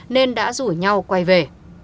nên đã rủ nhau quay về